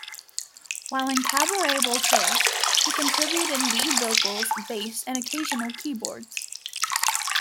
While in Cabaret Voltaire, he contributed lead vocals, bass and occasional keyboards.